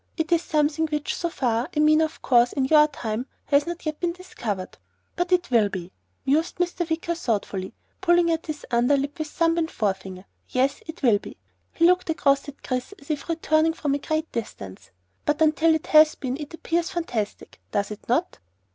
It is something which, so far, and I mean, of course, in your time, has not yet been discovered. But it will be," mused Mr. Wicker thoughtfully, pulling at his underlip with thumb and forefinger. "Yes, it will be." He looked across at Chris as if returning from a great distance. "But until it has been it appears fantastic, does it not?"